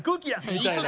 みたいな。